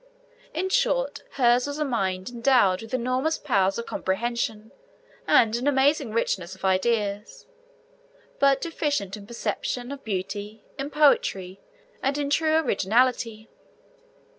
In short, hers was a mind endowed with enormous powers of comprehension, and an amazing richness of ideas, but deficient in perception of beauty, in poetry, and in true originality.